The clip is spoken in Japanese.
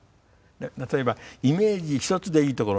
例えばイメージ１つでいいところにね